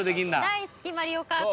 大好き『マリオカート』。